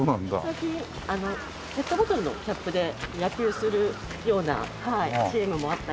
最近ペットボトルのキャップで野球するようなチームもあったりとか。